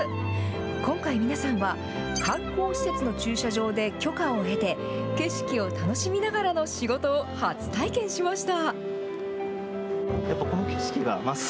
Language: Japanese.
今回、皆さんは観光施設の駐車場で許可を得て、景色を楽しみながらの仕事を初体験しました。